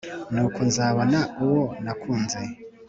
nuko nzabona uwo nakunze.